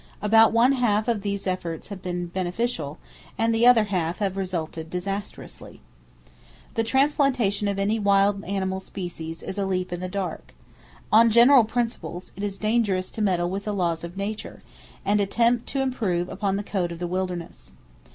About one half these efforts have been beneficial, and the other half have resulted disastrously. The transplantation of any wild animal species is a leap in the dark. On general principles it is dangerous to meddle with the laws of Nature, and attempt to improve upon the code of the wilderness.